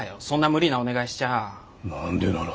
そんな無理なお願いしちゃあ。